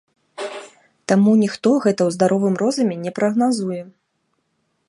Таму ніхто гэта ў здаровым розуме не прагназуе.